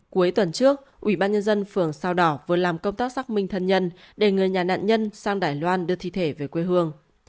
cuối tuần trước ubnd phường sao đỏ vừa làm công tác xác minh thân nhân để người nhà nạn nhân sang đài loan đưa thi thể về quê hương